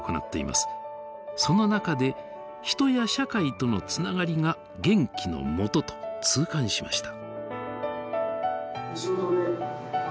その中で人や社会とのつながりが元気のもとと痛感しました。